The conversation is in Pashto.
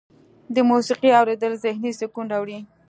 د موسیقۍ اوریدل ذهني سکون راوړي.